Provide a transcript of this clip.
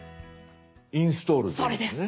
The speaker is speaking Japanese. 「インストール」でいいんですね。